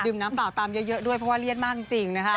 น้ำเปล่าตามเยอะด้วยเพราะว่าเลี่ยนมากจริงนะคะ